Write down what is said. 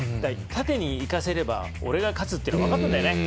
縦に行かせれば俺が勝つっていうのは分かってるんだよね。